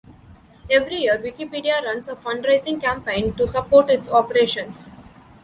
Every year, Wikipedia runs a fundraising campaign to support its operations.